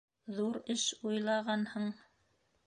Ҙур эш уйлағанһың.